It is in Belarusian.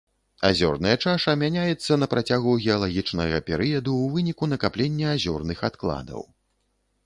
Азёрная чаша мяняецца на працягу геалагічнага перыяду ў выніку накаплення азёрных адкладаў.